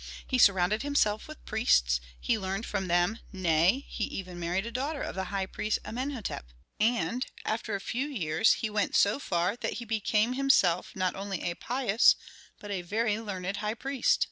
He surrounded himself with priests, he learned from them, nay, he even married a daughter of the high priest Amenhôtep. And, after a few years, he went so far that he became himself not only a pious, but a very learned high priest."